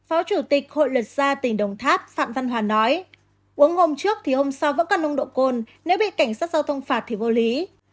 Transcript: phó chủ tịch hội luật gia tỉnh đồng tháp phạm văn hòa nói uống hôm trước thì hôm sau vẫn có nồng độ cồn nếu bị cảnh sát giao thông phạt thì vô lý